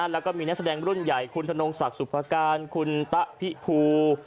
แล้วก็มีนักแสดงรุ่นใหญ่คุณธนงศักดิ์สุภาการคุณตะพิภู